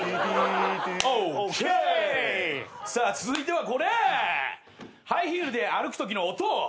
続いてはこれハイヒールで歩くときの音。